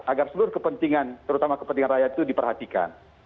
agar seluruh kepentingan terutama kepentingan rakyat itu diperhatikan